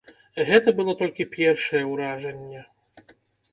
Гэта было толькі першае ўражанне.